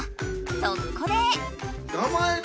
そこで。